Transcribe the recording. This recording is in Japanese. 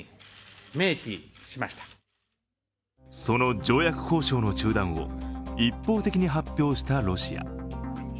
その条約交渉の中断を一方的に発表したロシア。